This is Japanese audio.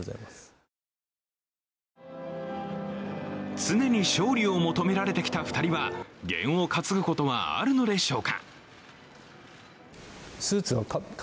常に勝利を求められてきた２人は験を担ぐことはあるのでしょうか？